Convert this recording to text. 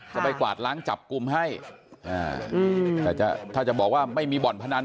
ไปกวาดล้างจับกลุ่มให้แต่จะถ้าจะบอกว่าไม่มีบ่อนพนัน